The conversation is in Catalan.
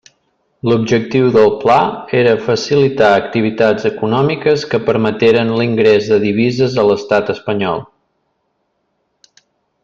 L'objectiu del pla era facilitar activitats econòmiques que permeteren l'ingrés de divises a l'Estat espanyol.